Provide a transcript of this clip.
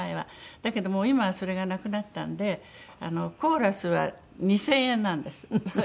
だけどもう今はそれがなくなったんでコーラスは２０００円なんです１回。